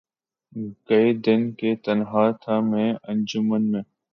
گئے دن کہ تنہا تھا میں انجمن میں